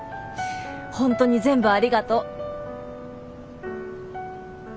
本当に全部ありがとう。